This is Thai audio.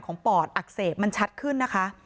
ปอดอักเสบมันชัดขึ้นนะคะ